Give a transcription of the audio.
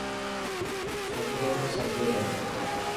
ڇوڪرو سڏ پيو ڪري.